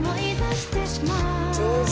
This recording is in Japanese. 上手。